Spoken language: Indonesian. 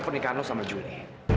pernikahan lo sama juli